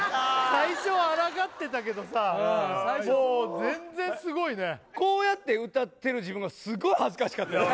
最初は抗ってたけどさもう全然すごいねこうやって歌ってる自分がすごい恥ずかしかったです